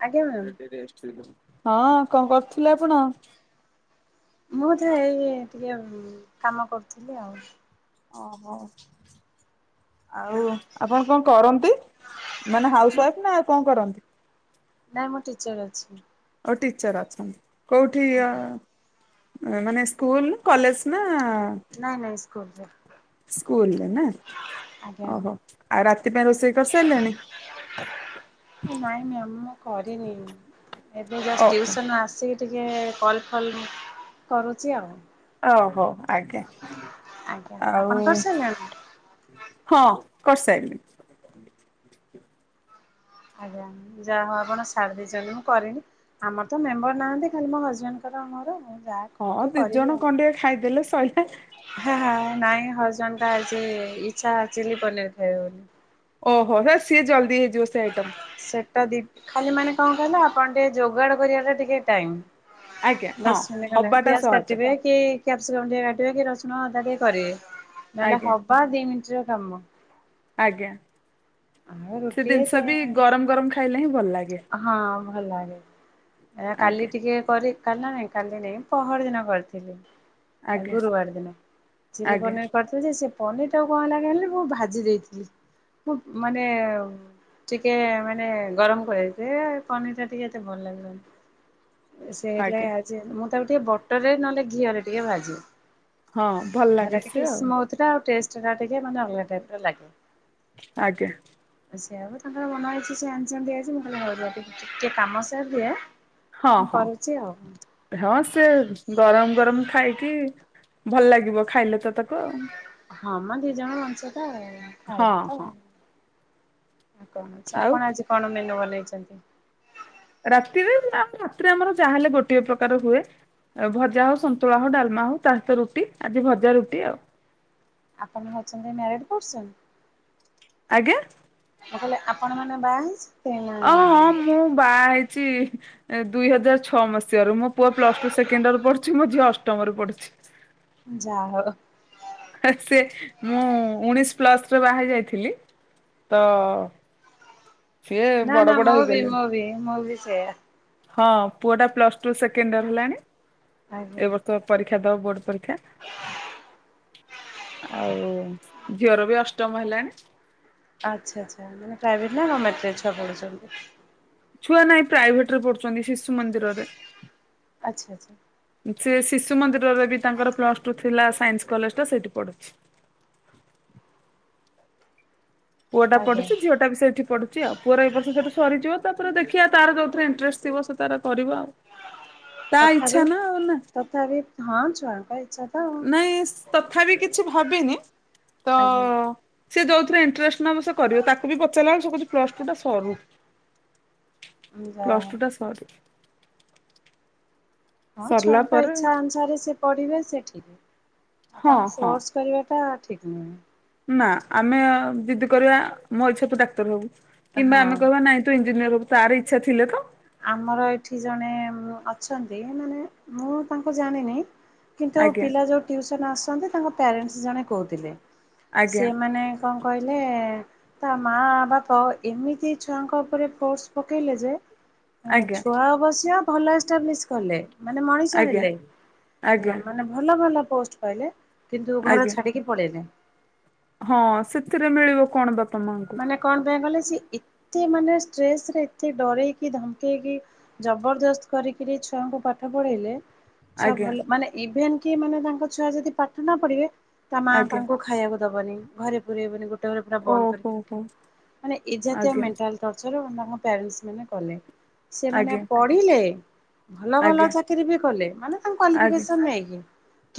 ଆଜ୍ଞା ମ୍ୟାମ୍ ହଁ କଣ କରୁଥିଲେ ଆପଣ? ମୁଁ ତ ଏଇ ଟିକେ ଉ କାମ କରୁଥିଲି ଆଉ ଓହୋ ଆଉ ଆପଣ କଣ କରନ୍ତି? ମାନେ ହାଉସ ମୁଁ ୱାଇଫ ନା ଆଉ କଣ କରନ୍ତି? ନାଇଁ ମୁଁ ଟିଚର ଅଛି। ଆଉ ଟିଚର ଅଛନ୍ତି କୋଉଠି ଆଜ୍ଞା। ଆଁ ମାନେ ସ୍କୁଲ କଲେଜ ନା ନାଇଁ ନାଇଁ ସ୍କୁଲରେ। ସ୍କୁଲ ରେ ନା। ଆଜ୍ଞା ଓହୋ ଆଉ ରାତି ପାଇଁ ରୋଷେଇ କରିସାରିଲାଣି। ନାଇଁ ମ୍ୟାମ ମୁଁ କରିନି ଏବେ ଜଷ୍ଟ ଓହୋ। ଟିୟୁସନ ଆସି ଟିକେ କଲ୍ ଫଲ କରୁଛି ଆଉ। ଓହୋ ଆଜ୍ଞା ଆଜ୍ଞା ଆଉ ଆପଣ କରିସାରିଲେଣି? ହଁ କରିସାଇଲିଣି। ଆଜ୍ଞା ଯାହା ହଉ ଆପଣ ସାରି ଦେଇଛନ୍ତି ମୁଁ କରିନି। ଆମର ତ ମେମ୍ବର ନାହାନ୍ତି ଖାଲି ମୋ ହଜବେଣ୍ଟ ଙ୍କର ଆଉ ମୋର ଯା ହଁ ଦି ଜଣ କଣ ଟିକିଏ ଖାଇଦେଲେ ସଇଲା। ହଁ ହେଁ ନାଇଁ ହଜବେଣ୍ଟ ଙ୍କ ଆଜି ଇଛା ଚି଼ଲ୍ଲୀ ପନିର ଖାଇବେ ବୋଲି। ଓହୋ ହେ ସିଏ ଜଲ୍ଦି ହେଇଯିବ ସେ ଆଇଟମ୍। ସେଟା ଦି ଖାଲି ମାନେ କଣ କହିଲ ଆପଣ ଟିକେ ଯୋଗାଡ କରିବାଟା ଟିକେ ଟାଇମ। ଆଜ୍ଞା ହଁ ଦଶ ମିନିଟ ଖଣ୍ଡେ ହବାଟା ପିଆଜ ସହଜ କାଟିବେ। କି କ୍ୟାପସିକମ୍ ଟିକେ କାଟିବେ କି ରସୁଣ ଅଦା ଟିକେ କରିବେ ନହେଲେ ଆଜ୍ଞା ହବା ଦି ମିନିଟ ର କାମ। ଆଜ୍ଞା ଆଉ ସେ ରୁଟି ଜିନିଷ ଦେ ବି ଗରମ ଗରମ ଖାଇଲେ ହିଁ ଭଲ ଲାଗେ। ହଁ ଭଲ ଲାଗେ ଏ ଆଜ୍ଞା କାଲି ଟିକେ କରି କାଲି ନା ନାଇଁ କାଲି ନାଇଁ ପହରି ଦିନ କରିଥିଲି। ଆ ଆଜ୍ଞା ଗୁରୁବାର ଦିନ ଚି଼ଲ୍ଲୀ ଆଜ୍ଞା ପନିର କରି ତ ସେ ପନିର ଟାକୁ କଣ ହେଲା କହିଲେ ମୁଁ ଭାଜି ଦେଇଥିଲି। ମାନେ ଟିକେ ମାନେ ଗରମ କରି ସେ ପନିର ଟା ଟିକେ ଏତେ ଭଲ ଲାଗିବନି। ସେଇଥି ଲାଗି ଆଜ୍ଞା ଆଜି ମୁଁ ତାକୁ ଟିକେ ବଟରରେ ନହେଲେ ଘିଅରେ ଟିକେ ଭାଜେ। ହଁ ଭଲ ଲାଗେ ହେରା ସେ ଟିକିଏ ଆଉ ସୁମଥୁରା ଟେଷ୍ଟଟା ଟିକିଏ ମାନେ ଅଲଗା ଟାଇପ ର ଲାଗେ। ଆଜ୍ଞା। ସେଆପା ତାଙ୍କର ମନହେଇଛି ସିଏ ଆଣିଛନ୍ତି ଆଜି ମୁଁ କହିଲି ହଉରୁହ ଟିକିଏ କାମ ସାରିଦିଏ। ହଁ ମୁଁ ହଁ। କରୁଛି ଆଉ ହଁ ସିଏ ଗରମ ଗରମ ଖାଇକି ଭଲ ଲାଗିବ ଖାଇଲେ ତ ତାକୁ ଆଉ। ହଁ ମ ଦି ଜଣ ମଣିଷ ତ ହଁ ଖାଇବୁ ତ। ହଁ କଣ ଅଛି ଆଉ ଆପଣ ଆଜି କଣ ମେନୁ ବନେଇଛନ୍ତି ରାତିରେ ନା ରାତିରେ ଆମର ଯାହାହେଲେ ଗୋଟିଏ ପ୍ରକାର ହୁଏ ଆ ଭଜା ହଉ ସନ୍ତୁଳା ହଉ ଡାଲମା ହଉ ତା ସହିତ ରୁଟି ଆଜି ଭଜା ରୁଟି ଆଉ ଆପଣ ହେଉଛନ୍ତି ମ୍ୟାରଡ଼୍ ପରସନ୍ ଆଜ୍ଞା ମୁଁ କହିଲେ ଆପଣ ମାନେ ବାହେଶ୍ ଓ ହଁ ମୁଁ ବାହା ହେଇଛି ଏ ଦୁଇ ହଜାର ଛଅ ମସିହାଆରୁ ମୋ ପୁଅ ପ୍ଲସ ଟୁ ସେକେଣ୍ଡ ଇୟର ପଢୁଛି ମୋ ଝିଅ ଅଷ୍ଟମରେ ପଢୁଛି। ଯାହଉ। ଆ ସେ ମୁଁ ଉଣୀସି ପ୍ଲସ ରେ ବାହା ହେଇ ଯାଇଥିଲି। ତ ସିଏ ନା ବଡ ନା ବଡ ମୋ ବି ହେଇଗଲେଣି। ମୋ ଵି ମୁଁ ବିି ସେୟା। ହଁ ପୁଅ ଟା ପ୍ଲସ ଟୁ ସେକେଣ୍ଡିଅର୍ ହେଲାଣି ଏ ଆଜ୍ଞା। ବର୍ଷ ପରୀକ୍ଷା ଦବ ବୋର୍ଡ ପରୀକ୍ଷା ଆଉ ଝିଅର ବି ଅଷ୍ଟମ ହେଲାଣି। ଆଚ୍ଛା ଆଚ୍ଛା ମାନେ ପ୍ରାଇଭେଟ ନା ଗମେଣ୍ଟରେ ଛୁଆ ପଢୁଚନ୍ତି। ଛୁଆ ନାଇଁ ପ୍ରାଇଭେଟ ରେ ପଡୁଚନ୍ତି ଶିଶୁ ମନ୍ଦିରରେ। ଆଚ୍ଛା ଆଚ୍ଛା। ସିଏ ଶିଶୁ ମନ୍ଦିରରେ ବି ତାଙ୍କର ପ୍ଲସ ଟୁ ଥିଲା ସାଇନ୍ସ କଲେଜ ଟା ସେଇଟି ପଢୁଛି। ପୁଅ ଟା ଆଜ୍ଞା ପଢୁଛି ଝିଅଟା ବି ସେଇଠି ପଡୁଚି ଆଉ। ପୁଅର ସେଠୁ ସରିଯିବ ତାପରେ ଦେଖିଆ ତାର ଯୋଉଥିରେ ଇଣ୍ଟରେଷ୍ଟ ଥିବ ସେ ତାର କରିବ ଆଉ। ତା ତଥାବି ଇଚ୍ଛା ନା ଆଉ ନା। ତଥାବି ହଁ ଛୁଆଙ୍କ ଇଚ୍ଛା ତ ଆଉ ନାଇଁ ତଥାବି କିଛି ଭାବିନି ତ ଆଜ୍ଞା ସିଏ ଯୋଉଥିରେ ଇଣ୍ଟରେଷ୍ଟ ନବ ସେ କରିବ ତାକୁ ବି ପଚାରିଲା ଆଳୁ ସିଏ କୋହୁଚି ପ୍ଲସ ଟୁ ଟା ସରୁ। ଯା ପ୍ଲସ ଟୁ ଟା ସରୁ। ହଁ ସରିଲା ଛୁଆଙ୍କ ପରେ ଇଚ୍ଛା ଅନୁସାରେ ସେ ପଢିବେ ସିଏ ଠିକ୍ ଆଉ ହଁ ତାଙ୍କୁ ହଁ ସୋର୍ସ କରିବାଟା। ଠିକ ନୁହେଁ। ନା ଆମେ ଯିଦି କରିବା ମୋ ଇଚ୍ଛା ତୁ ଡାକ୍ତର ହୋବୁ। କିମ୍ବା ଆମେ ହଁ। କହିବା ନାଇଁ ତୁ ଇଞ୍ଜିନିୟର ହୋବୁ ତାର ଇଚ୍ଛା ଥିଲେ ତ। ଆମର ଏଇଠି ଜଣେ ଅଛନ୍ତି। ମାନେ ମୁଁ ତାଙ୍କୁ ଜାଣିନି। କିନ୍ତୁ ଆଜ୍ଞା ପିଲା ଯୋଉ ଟିଉସନ୍ ଆସନ୍ତି ତାଙ୍କ ପ୍ୟାରେଣ୍ଟସ୍ ଜଣେ କୋହୁଥିଲେ ଆଜ୍ଞା ସିଏ ମାନେ କଁ କହିଲେ। ତା ମାଆ ବାପ ଏମିତି ଛୁଆଙ୍କ ଉପରେ ଫୋର୍ସ ପକେଇଲେ ଯେ ଏଁ ଆଜ୍ଞା ଛୁଆ ଅବଶ୍ୟ ଭଲ ଏଷ୍ଟାବ୍ଲିସ୍ କଲେ ମାନେ ମଣିଷ ଆଜ୍ଞା ହେଲେ ଏଁ ଆଜ୍ଞା ମାନେ ଭଲ ଭଲ ପୋଷ୍ଟ ପାଇଲେ କିନ୍ତୁ ଘର ଆଜ୍ଞା ଛାଡିକି ପଳେଇଲେ। ହଁ ସେଥିରେ ମିଳିବ କଣ ବାପା ମାଆଙ୍କୁ। ମାନେ କଣ ପାଇଁ କହିଲେ ସିଏ ଏତେ ମାନେ ଷ୍ଟ୍ରେସ ରେ ଏତେ ଡ଼ରେଇକି ଧମକେଇକି। ଜବରଦସ୍ତ କରିକିରି ଛୁଆଙ୍କୁ ପାଠ ପଢେଇଲେ। ଛୁଆ ଆଜ୍ଞା ଭଲ ମାନେ ଇଭେନ୍ କି ମାନେ ତାଙ୍କ ଛୁଆ ଯଦି ପାଠ ନ ପଢିବେ ତା ମା ଆଜ୍ଞା ତାଙ୍କୁ ଖାଇବାକୁ ଦବନି ଘରେ ପୁରେଇବନି ଗୋଟେ ଘରେ ପୁରା ବନ୍ଦ ଓହୋ କରିକି ହୋ ରଖିବ ମାନେ ଏଜାତୀୟ ଆଜ୍ଞା ମେଣ୍ଟାଲ ଟର୍ଚର୍ ନା ମୋ ପ୍ୟାରେଣ୍ଟସ ମାନେ କଲେ ସେମାନେ ଆଜ୍ଞା ପଢ଼ିଲେ। ଭଲ ଭଲ ଆଜ୍ଞା ଚାକିରି ବି କଲେ ମାନେ ତାଙ୍କ ଆଜ୍ଞା କ୍ୟାଲିଫକେସନ୍ ନେଇକୀ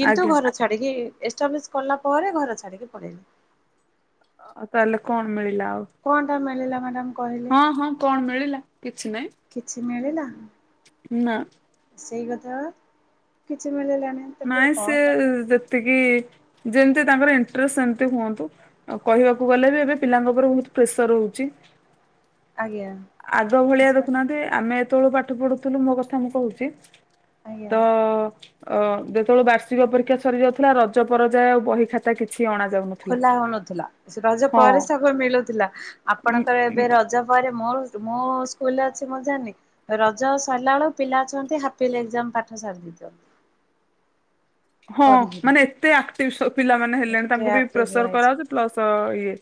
କିନ୍ତୁ ଆଜ୍ଞା ଘର ଛାଡିକି ଏଷ୍ଟାବ୍ଲିସ୍ କଲା ପରେ ଘରେ ଛାଡିକି ପଳେଇଲେ। ଆଉ ତାହେଲେ କଣ ମିଳିଲା ଆଉ। କଁ ଟା ମିଳିଲା ମାଡାମ୍ କହି ହଁ ହଁ କଣ ମିଳିଲା କିଛି ନାଇଁ। କିଛି ମିଳିଲା। ନାଁ। ସେଇ କଥା ପା କିଛି ମିଳିଲାଣି। ନାଇଁ ସିଏ ଯେତିକି ଯେମିତି ତାଙ୍କର ଇଣ୍ଟ୍ରେସ ସେମତି ହୁଅନ୍ତୁ। ଆଉ କହିବାକୁ ଗଲେ ବି ଏବେ ପିଲାଙ୍କ ଉପରେ ବୋହୁତ ପ୍ରେସର ରୋହୁଚି। ଆଜ୍ଞା। ଆଗ ଭଳିଆ ଦେଖୁନାହାନ୍ତି ଆମେ ଯେତୋବୋଳୁ ପାଠ ପଢୁଥୁଲୁ ମୋ କଥା ମୁଁ କୋହୁଚି। ତ ଆଜ୍ଞା। ଅଁ ଯେତୋବୋଳୁ ବାର୍ଷିକ ପରୀକ୍ଷା ସରି ଯାଉଥୁଲା ରଜ ପରଯାଏଁ ଆଉ ବହି ଖାତା କିଛି ଅଣା ଯାଉନ ଖୋଲା ହୋଉନଥୁଲା ସେ ରଜ ପରେ ସବୁ ମିଳୁଥୁଲା ଆପଣଙ୍କର ଏବେ ରଜ ପରେ ମୋରୋ ମୋ ସ୍କୁଲରେ ଅଛି ମୁଁ ଜାଣିନି। ରଜ ସରିଲା ଆଳୁ ପିଲା ଅଛନ୍ତି ହାପିଏଲି ଏକ୍ସାମ୍ ପାଠ ସାରିଦେଇଚନ୍ତି। ହଁ ମାନେ ଏତେ ଆକ୍ଟିଭ ସ ପିଲାମାନେ ହେଲେଣି ଏତେ ତାଙ୍କୁ ବି ଆକ୍ଟିଭ ପ୍ରେସର କରାହୋଉଚି। ହେଇଯାଇଛନ୍ତି। ପ୍ଲସ ଇଏ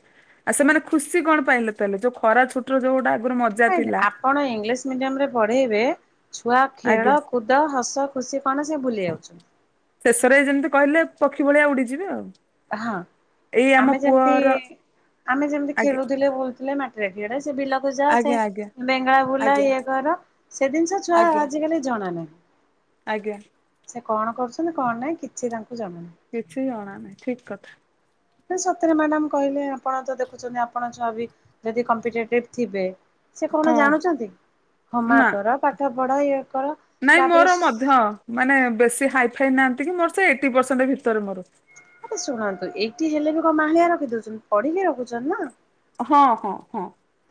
ଆଉ ସେମାନେ ଖୁସି କଣ ପାଇଲେ ତାହେଲେ ଯୋଉ ଖରା ଛୁଟିରୁ ଯୋଉଡ଼ା ଆଗୁରୁ [unintelligible] ଆପଣ ଇଗ୍ଲିସ୍ ମିଡିୟମରେ ପଢେଇବେ ଛୁଆ ଆଜ୍ଞା ଖେଳ କୁଦ ହସ ଖୁସି କଣ ସିଏ ଭୁଲି ଯାଉଛନ୍ତି। ଶେଷରେ ଯେମିତି କହିଲେ ପକ୍ଷୀ ଭଳିଆ ଉଡିଯିବେ ଆଉ। ହଁ ଏଇ ଆମ ଆମେ ଯେମିତି ପୁଅର ଆମେ ଯେମିତି ଆଜ୍ଞା ଖେଳୁଥିଲେ ବୁଲୁଥିଲେ ମା ଡ [inaudible] ସେ ବିଲକୁ ଯାଆ ସେ ଆଜ୍ଞା ଆଜ୍ଞା ବେଙ୍ଗେଳା ବୁଲା ଆଜ୍ଞା ଇଏ କର ସେ ଦିନିଷ ଛୁଆ ଆଜ୍ଞା ଆଜିକାଲି ଜଣା ନାହିଁ। ଆଜ୍ଞା। ସେ କଣ କରୁଛନ୍ତି କଣ ନାଇଁ କିଛି ତାଙ୍କୁ ଜଣାନାହିଁ। କିଛି ଜଣା ନାହିଁ ଠିକ କଥା। ନା ସତରେ ମ୍ୟାଡାମ କହିଲେ, ଆପଣ ତ ଦେଖୁଚନ୍ତି, ଆପଣଙ୍କ ଛୁଆ, ଯଦି କମ୍ପିଟେଟିବ ଥିବେ। ସେ କଣ ହଁ ଜାଣୁଛନ୍ତି। ନା ହୋମୱାର୍କ କର, ପାଠ ପଢ, ଇଏ କର। ନାଇଁ ତାପରେ ମୋର ମଧ୍ୟ ମାନେ ବେଶୀ ହାଇ ଫାଇ ନାହାନ୍ତି। କି ମୋର, ସେ ଏଇଟି ପରସେଣ୍ଟ ଭିତରେ ମୋର। ଶୁଣନ୍ତୁ ଏଇଟି ହେଲେ ବି କଣ, ମାହାଳିଆ ରଖି ଦଉଚନ୍ତି ପଢିକି ରଖୁଚ ନ୍ତି ନା। ହଁ, ହଁ, ହଁ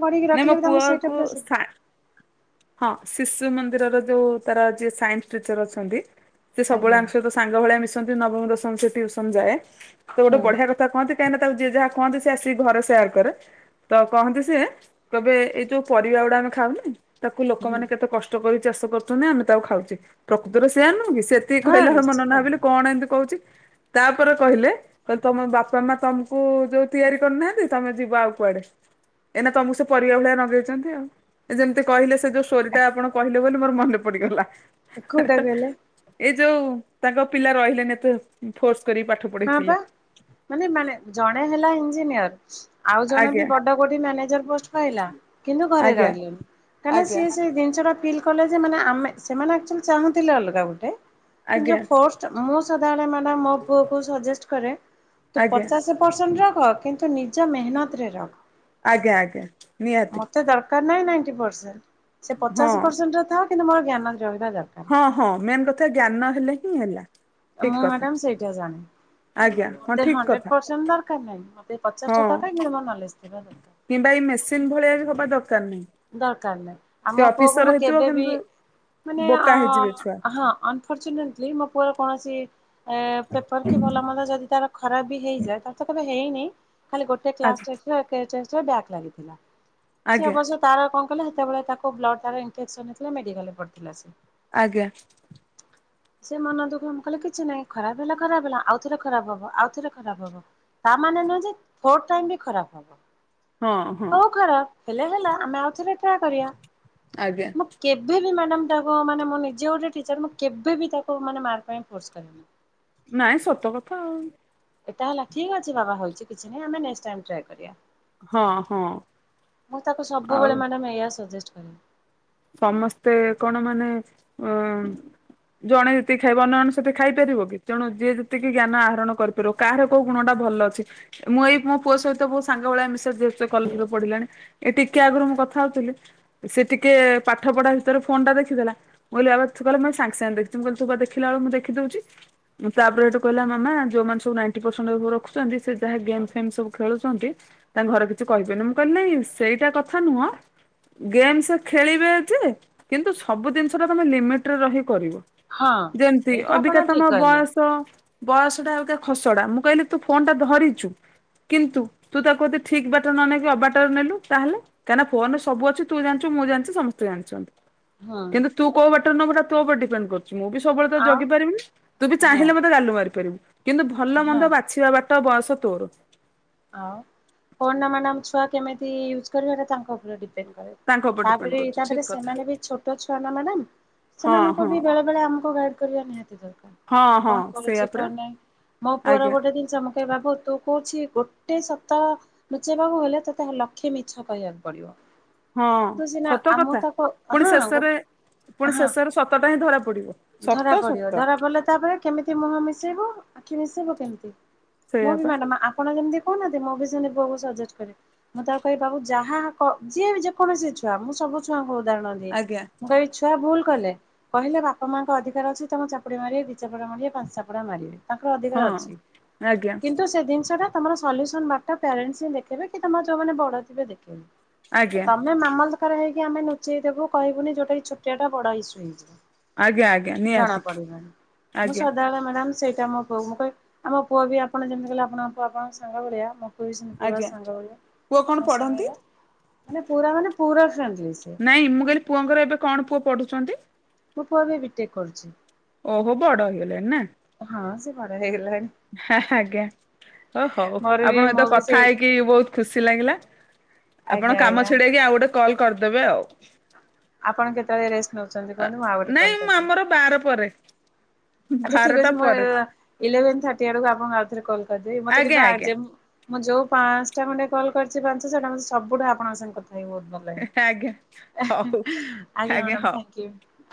ପଢିକି ନାଇଁ ମୋ ରଖିଲେ ବି ତାଙ୍କୁ ସେଇଟା ପୁଅକୁ ପୁରା ସା ହଁ, ଶିଶୁ ମନ୍ଦିରରେ ଯୋଉ ତାର ଜିଏ ସାଇନ୍ସ ଟିଚର ଅଛନ୍ତି। ସେ ସବୁବେଳେ ଆଜ୍ଞା ଆଙ୍କ ସହିତ ସାଙ୍ଗ ଭଳିଆ ମିଶନ୍ତି, ନବମ ଦଶମ ସେ ଟିଉସନ ଯାଏ। ତ ଗୋଟେ ହଁ ବଢିଆ କ ତାକୁ କୁହନ୍ତି କାହିଁକି ନା ତାକୁ, ଯିଏ ଯାହା କୁହନ୍ତି ସେ ଆସି ଘରେ ସେୟାର କରେ। ତ କହନ୍ତି, ସିଏ କହିବେ, ଏଇ ଯୋଉ, ପରିବା ଗୁଡା ଆମେ ଖାଉନେ, ତାକୁ ଲୋକମାନେ କେତେ କ କଷ୍ଟ କରି ଚାଷ କରୁଚନ୍ତି ଆମେ ତାକୁ ଖାଉଚେ ପ୍ରକୃତରେ ସେଇଆ ନୁହେଁକି ସେତିକି ହଁ କହିଲାବେଳକୁ ମନେ ମନେ ନିଶ୍ଚିନ୍ତ ଭାବିଲି କଣ ଏମିତି କହୁଛି। ତାପରେ କହିଲେ, କହିଲେ ତମ ବାପା ମା ତମକୁ ଯଉ ତିଆରି କରୁନାହାନ୍ତି, ତମେ ଯିବ ଆଉ କୁଆଡେ? ଏନା ତମକୁ ସେ ପରିବା ଗୁଡା ଲଗେଚଛନ୍ତି। ଆଉ ଯେମିତି କହିଲେ। ସେ ଯୋଉ ଷ୍ଟୋରିଟା ଆପଣ କହିଲେ, ବୋଲି ମୋର ମନେ ପଡିଗଲା। କୋଉଟା କହିଲେ ଏ ଯୋଉ ତାଙ୍କ ପିଲା ରହିଲେନି। ଫୋର୍ସ କରି ପାଠ ହଁ ବା, ପଢେଇଥିଲେ। ମାନେ ମାନେ ଜଣେ ହେଲା ଇଞ୍ଜିନିୟର। ଆଉ ଜଣେ ବି ଆଜ୍ଞା ବଡ କୋଉଠି ମ୍ୟାନେଜର ପୋଷ୍ଟ ପାଇଲା। କିନ୍ତୁ ଘରେ ଆଜ୍ଞା ରହିଲେନି କାହିଁକିନା ଆଜ୍ଞା ସିଏ ସେ ଜିନିଷଟା ଫିଲ କଲେ, ଯେ ମାନେ ଆମେ ସେମାନେ ଆଚୁଆଲି ଚାହୁଁଥିଲେ ଅଲଗା ଗୁଟେ। କିନ୍ତୁ, ଆଜ୍ଞା ଜଉ ଫୋଷ୍ଟ ମୁଁ ସଦାବେଳେ ମାନେ ମୋ ପୁଅକୁ ଶଜେଷ୍ଟ କରେ ତୁ ଆଜ୍ଞା ପଚାଶେ ପରସେଣ୍ଟ ରଖ କିନ୍ତୁ, ନିଜ ମେହନତରେ ରଖ। ଆଜ୍ଞା! ଆଜ୍ଞା! ନିହାତି। ମତେ ଦରକାର ନାହିଁ ନାଇଣ୍ଟ ପରସେଣ୍ଟ, ସେ ହଁ ପଚାଶ ପରସେଣ୍ଟ ରେ ଥାଉ, କିନ୍ତୁ ମୋର ଜ୍ଞାନ ରହିବା ଦରକାର। ହଁ, ହଁ, ମେନ୍ କଥା ଜ୍ଞାନ ହେଲେ ହିଁ ହେଲା। ଠିକ ମୁଁ କଥା ମ୍ୟାଡାମ ସେଇଟା ଜାଣେ। ଆଜ୍ଞା ମୋତେ ହଁ ତ ଠିକ ହଣ୍ଡ୍ରେଡ଼ କଥା ପରସେଣ୍ଟ ଦର କାର ନାହିଁ ମତେ ହଁ ପଚାଶଟା ଦରକାର କିନ୍ତୁ ମୋର ନଲେଜ ଥିବା ଦରକାର। କିମ୍ବା, ଏଇ ମେସିନ ଭଳିଆ ବି ହବା ଦରକାର ନାହିଁ। ଦରକାର ନାହିଁ, ସେ ଆମ ପୁଅକୁ ଅଫିସର ମୁଁ ହେଇଥିବ କେବେବି କିନ୍ତୁ ମାନେ ବୋକା ହେଇଯିବେ ଛୁଆ ଅ ହଁ। ଫଚୁନେଣ୍ଟିଲି ମୋ ପୁଅର କୌଣସି ଏ ପେପର କି, ଭଲ ମନ୍ଦ, ଯଦି ତାର ଖରାପ ବି ହେଇଯାଏ, ତାର ତ କେବେ ହେଇନେଇଁ ଖାଲି ଗୋଟେ ଆଜ୍ଞା। କ୍ଲାସଟେଷ୍ଟରେ ଏ କେ ଟେଷ୍ଟରେ ବ୍ୟାକ ଲାଗିଥିଲା। ସେ ଆଜ୍ଞା ଅବଶ୍ୟ ତାର କଣ କହିଲ, ହେତେବେଳେ ତାକୁ ବ୍ଲଡ଼ଟାରେ ଇମ୍ଫକେସନ ହେଇଥିଲା ମେଡିକାଲରେ ପଡିଥିଲା ସେ। ଆଜ୍ଞା!। [unintelligible] ସେ ମନ ଦୁଃଖ ମୁଁ କହିଲି କିଛି ନାଇଁ ଖରାପ ହେଲା ଖରାପ ହେଲା ଆଉ ଥରେ ଖରାପ ହବ ଆଉ ଥରେ ଖରାପ ହବ। ତାମାନେ ନୁହେଁ ଯେ ଫୋର୍ ଟାଇମ୍ ବି ଖରାପ ହବ। ହଁ ହଁ ହଉ ଖରାପ ହେଲେ ହେଲା ଆମେ ଆଉଥରେ ଟ୍ରାଏ କରିବା। ଆଜ୍ଞା କେଭେ ବି ମ୍ୟାଡ଼ମ ତାକୁ ମାନେ ମୁଁ ନିଜେ ଗୋଟେ ଟିଚର ମୁ କେବେ ବି ତାକୁ ମାନେ ମାର୍କ ପାଇଁ ଫୋର୍ସ କରେନି। ନାଇଁ ସତ କଥା ଆଉ। ଏଟା ହେଲା ଠିକ୍ ଅଛି ବାବା ହଉଚି କିଛି ନାଇଁ ଆମେ ନେଷ୍ଟ ଟାଇମ୍ ଟ୍ରାୟ କରିବା। ହଁ ହଁ ମୁଁ ତାକୁ ଆଉ ସବୁବେଳେ ମ୍ୟାଡମ୍, ଏଇଆ ସଜେଷ୍ଟ କରେ। ସମସ୍ତେ କଣ, ମାନେ ଅ ଜଣେ ଯେତିକି ଖାଇବ, ଅନ୍ୟ ଜଣେ ସେତିକି ଖାଇପାରିବ କି, ତେଣୁ ଯିଏ ଯେତିକି ଜ୍ଞାନ ଆହରଣ କରି ରୋ, କାହାର କୋଉ ଗୁଣଟା ଭଲ ଅଛି। ମୁଁ ଏଇ ମୋ ପୁଅ ସହିତ ବହୁତ ସାଙ୍ଗ ଭଳିଆ ମିଶେ, ଯେହେତୁ ସେ କଲେଜରେ ପଢ଼ିଲାଣି। ଏ ଟିକେ ଆଗରୁ ମୁଁ କଥା ହଉଥିଲି। ସେ ଟିକେ ପାଠ ପଢା ଭିତରେ ଫୋନ ଟା ଦେଖିଦେଲା ମୁଁ କହିଲି ବାବାରେ, ତୁ କାଳେ ସାଙ୍ଗେ ସାଙ୍ଗେ ଦେଖୀ ଦଉଛୁ। ତୁ ପା ଦେଖିଲା ବେଳକୁ ମୁଁ ଦେଖି ଦଉଛି। ତାପରେ ହେଟୁ କହିଲା ମାମା ଯୋଉମାନେ ସବୁ ନାଇଣ୍ଟି ପରସେଣ୍ଟ ରଖୁଛନ୍ତି। ସେ ଯାହା ଗେମ୍ ଫେମ ସବୁ ଖେଳୁଛନ୍ତି ତାଙ୍କ ଘରେ କିଛି କହିବେନି, ମୁଁ କହିଲିନାହିଁ, ସେଇଟା କଥା ନୁହଁ ଗେମ୍ସ ଖେଳିବେ ଯେ, କିନ୍ତୁ ସବୁ ଜିନିଷ ଟା ତମେ ଲିମିଟ ରେ ରହିକି କରିବ। ହଁ ଯେମତି ଏଇଟା ଆପଣ ଅବିକା ଠିକ ତମ କହିଲେ। ବୟସ ବୟସ ଟା ଆଉ ଏକ ଖସଡା ମୁଁ କହିଲି ତୁ ଫୋନ ଟା ଧରିଛୁ। କିନ୍ତୁ ତୁ ତାକୁ ଯଦି ଠିକ୍ ବାଟ ନ ନେଇକି ଅବାଟରେ ନେଲୁ ତାହେଲେ? କାହିଁକି ନା ଫୋନରେ ସବୁ ଅଛି ତୁ ମୁଁ ଜାଣିଛି ସମସ୍ତେ ଜାଣିଛନ୍ତି ହୁଁ କିନ୍ତୁ ତୁ କୋଉ ବାଟରେ ନବୁ ତୋ ଉପରେ ଡିପେଣ୍ଡ କରୁଛି ମୁଁ ବିସେ ସବୁବେଳେ ତ ଆଉ ଜଗି ପାରିବିନି ତୁ ବି ହଁ ଚାହିଁଲେ ମତେ ଗାଲୁ ମାରି ପାରିବୁ କିନ୍ତୁ ଭଲ ମନ୍ଦ ହଁ ବାଛିବା ବା ଟ ବୟସ ତୋର ଆଉ ଫୋନ୍ ନା ମ୍ୟାଡ଼ାମ ଛୁଆ କେମିତି ୟୁଜ୍ କରିବାଟା ତାଙ୍କ ଉପରେ ଡିପେଣ୍ଡ କରେ। ତାଙ୍କ ଉପରେ ଡିପେଣ୍ଡ ତାପରେ କରୁଛି ଠିକ ତାପରେ କଥା ସେମାନେ ବି ଛୋଟ ଛୁଆ ନୁହେଁ ନା ହଁ ସେମାନଙ୍କୁ ହଁ ବି ବେଳେ ଆମକୁ ଗାଇଡ କରିବା ନିହାତି ଦରକାର ହଁ ହଁ କଣ ସେଇଆ କରୁଛି ପରା। କଣ ନାହିଁ ମୋ ପୁଅର ଆଜ୍ଞା ଗୋଟେ ଦି ଚମକେଇ ବାକୁ ତୁ କହୁଛି ଗୋଟେ ସତ ଲୁଚେଇବାକୁ ହେଲେ ତତେ ଲକ୍ଷେ ମିଛ କହିବାକୁ ପଡିବ। ହଁ ତୁ ସିନା ସତ ଆମ କଥା ତାକୁ ପୁଣି ହଁ ହଁ ଶେଷରେ ପୁଣି ଶେଷରେ ସତଟା ହିଁ ଧରା ପଡିବ। ଧରା ସତ ପଡିବ ସତ ଧରା ପଡିଲେ ତାପରେ କେମିତି ମୁହଁ ମିଶେଇବ ଆଖି ମିଶେଇବ କେମିତି? ମୁଁ ସେଇଆ ବି ପା ମ୍ୟାଡାମ ଆପଣ ଯେମିତି କହୁନାହାନ୍ତି ମୁଁ ବି ସେମିତି ପୁଅ କୁ ସଜେଷ୍ଟ କରେ। ମୁଁ ତାକୁ କହିବି ତାକୁ ବାବୁ ଯାହା ଯିଏ ଯେକୌଣସି ଛୁଆ ମୁଁ ସବୁ ଛୁଆଙ୍କୁ ଉଦାହରଣ ଆଜ୍ଞା ମୁଁ କହିବି ଛୁଆ ଭୁଲ କଲେ କହିଲେ ବା ବାପା ମାଙ୍କ ଅଧିକାର ଅଛି ତମ ଚାପୁଡେ ମାରିବ ଦି ଚାପୁଡ଼ା ମାରିବେ ପାଞ୍ଚ ଚାପୁଡ଼ା ମାରିବେ। ତାଙ୍କର ଅଧିକାର ହଁ ଅଛି ଆଜ୍ଞା କିନ୍ତୁ ସେ ଜିନିଷ ଟା ତମର ସଲ୍ୟୁସନ ମାଟା ପ୍ୟାରେଣ୍ଟସ ଦେଖବେ କି ତମ ଯୋଉମାନେ ବଡ ଥିବ ଦେଖେଇ ଆଜ୍ଞା। ମାମଲ୍ଟ କାର ହେଇକି ଆମେ ନୁଚେଇ ଦେବୁ ଛୋଟିଆ ଟା ବଡ଼ ଇସୁ ହେଇଯିବ। ଆଜ୍ଞା ଆ ଜଣା ପଡିଲାଣି ମୁଁ ସଦାବେଳେ ମ୍ୟାଡ଼ମ ସେଇଟା ମୋ ପୁଅକୁ ମୁଁ କହି ଆମ ପୁଅ ବି ଆପଣ ଯେମିତି କହିଲେ ଆପଣ ଆପଣଙ୍କ ସାଙ୍ଗ ଭଳିଆ ମୋ ପୁରା ଆଜ୍ଞା ସାଙ୍ଗଭଳିଆ ପୁଅ କଣ ମୋ ପଢନ୍ତି? ସାଙ୍ଗରେ ମାନେ ପୁରା ମାନେ ପୁରା ଫ୍ଫ୍ରେଣ୍ଡଲି ସିଏ। ନାଇଁ ମୁଁ କହିଲି ପୁଅଙ୍କର ଏବେ କଣ ପୁଅ ପଢ଼ୁଛନ୍ତି? ମୋ ପୁଅ ଏବେ ବିଟେକ୍ କରୁଛି। ଓହୋ ବଡ ହେଇଗଲାଣି ନା? ହଁ ସେ ବଡ଼ ହେଇଗଲାଣି। ହେ ହେ ଆଜ୍ଞା ହ ହଉ ମୋର ବି ଆପଣଙ୍କ ମୁଁ ସହିତ ବି କଥା ସେଇ ହେଇକି ବହୁତ ଖୁସି ଲାଗିଲା ଆପଣ ଆଜ୍ଞା କାମ ଆଜ୍ଞା ଛିଡେଇକି ଆଉ ଗୋଟେ କଲ କରିଦେବେ ଆଉ। ଆପଣ କେତେବେଳେ ରେଷ୍ଟ ନଉଛନ୍ତି କୁହନ୍ତୁ ମୁଁ ଆଉ ଗୋଟେ ନାଇଁ କଲ୍ କରିଦେବି। ଆମର ବାର ପରେ। ଆଚ୍ଛା ଠିକ ବାରଟା ଅଛି ମୁଁ ପରେ ଇଲେଭେନ ଥାଟି ଆଡକୁ ଆପଣଙ୍କୁ ଆଉଥରେ କଲ କରିଦେବି ମତେ ଆଜ୍ଞା ଆଜ୍ଞା କିନ୍ତୁ ମୁଁ ଯୋଉ ପାଞ୍ଚଟା ଖଣ୍ଡେ କଲ୍ କରିଛି ପାଞ୍ଚ ସେଇଟା ମତେ ସବୁଠୁ ଆପଣଙ୍କ ସଙ୍ଗେ କଥା ହେଇ ବହୁତ ଭଲ ଲାଗିଲା। ଆଜ୍ଞା ହଉ ଆଜ୍ଞା ଆଜ୍ଞା ମ୍ୟାଡ଼ାମ ହଉ ଥ୍ୟାଙ୍କୟୁ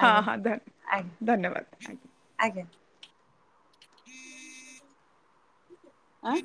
ହଁ ଆଜ୍ଞା ହଁ ଧ ଆଜ୍ଞା ଧନ୍ୟବାଦ ଆଜ୍ଞା। ଆଜ୍ଞା। ହୁଁ। ଆଁ?